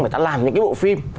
người ta làm những cái bộ phim